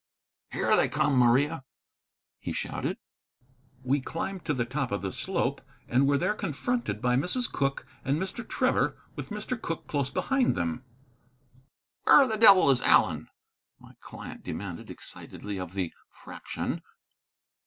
"Here they come, Maria," he shouted. We climbed to the top of the slope, and were there confronted by Mrs. Cooke and Mr. Trevor, with Mr. Cooke close behind them. "Where the devil is Allen?" my client demanded excitedly of the Fraction.